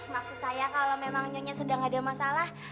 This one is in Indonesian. maksud saya kalau memang nyonya sedang ada masalah